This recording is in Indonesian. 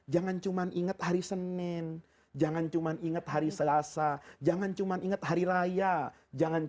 jangan cuman inget hari senin jangan cuman inget hari selasa jangan cuman inget hari raya jangan